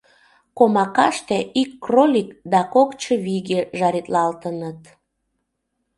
Комакаште ик кролик да кок чывиге жаритлалтыныт.